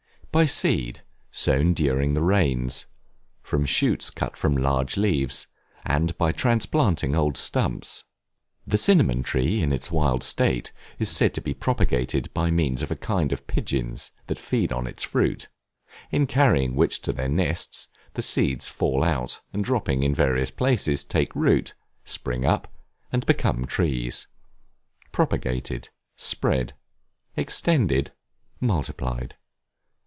By seed, sown during the rains; from shoots cut from large trees; and by transplanting old stumps. The cinnamon tree, in its wild state, is said to be propagated by means of a kind of pigeons, that feed on its fruit; in carrying which to their nests, the seeds fall out, and, dropping in various places, take root, spring up, and become trees. Propagated, spread, extended, multiplied.